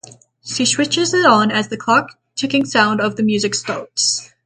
She switches it on as the clock ticking sound of the music starts.